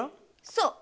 そう！